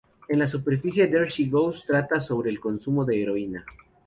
En la superficie, "There She Goes" trata sobre el consumo de heroína.